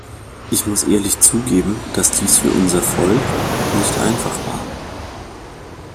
Ich muss ehrlich zugeben, dass dies für unser Volk nicht einfach war.